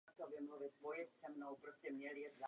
Učiním několik stručných poznámek týkajících se této oblasti.